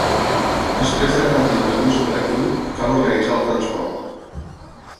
Després de garantir el permís operatiu, cal organitzar el transport.